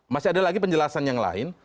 masih ada lagi penjelasan yang lain